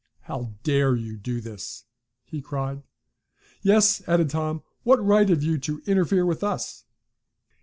"How dare you do this?" he cried. "Yes," added Tom, "what right have you to interfere with us?"